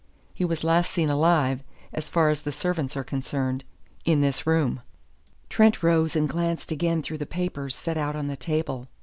He was last seen alive, as far as the servants are concerned, in this room." Trent rose and glanced again through the papers set out on the table.